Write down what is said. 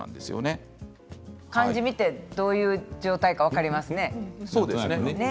漢字を見てどういう状態か分かりますね。